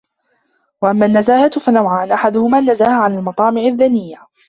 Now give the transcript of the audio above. وَأَمَّا النَّزَاهَةُ فَنَوْعَانِ أَحَدُهُمَا النَّزَاهَةُ عَنْ الْمَطَامِعِ الدَّنِيَّةِ